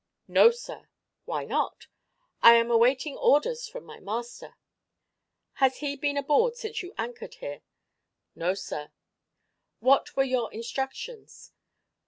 "No, sir." "Why not?" "I am awaiting orders from my master." "Has he been aboard since you anchored here?" "No, sir." "What were your instructions?"